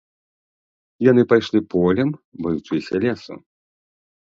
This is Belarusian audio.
Яны пайшлі полем, баючыся лесу.